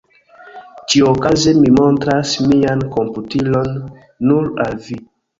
Ĉiuokaze mi montros mian komputilon nur al vi.